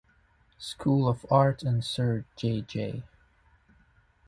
School of Art and Sir J. J.